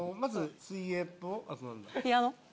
ピアノ？